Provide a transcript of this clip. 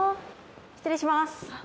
失礼します。